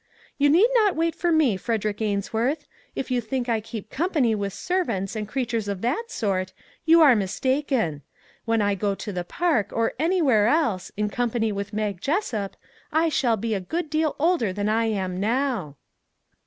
" You need not wait for me, Frederick Ains worth ; if you think I keep company with serv ants and creatures of that sort, you are mis taken. When I go to the park, or anywhere else, in company with Mag Jessup, I shall be a good deal older than I am now."